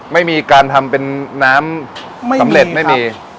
ไม่มีการทำเป็นน้ำสำเร็จไม่มี